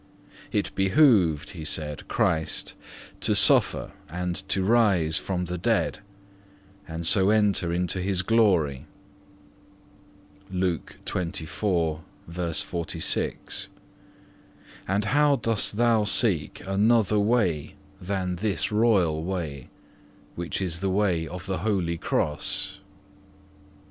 It behooved, He said, Christ to suffer and to rise from the dead, and so enter into his glory.(3) And how dost thou seek another way than this royal way, which is the way of the Holy Cross?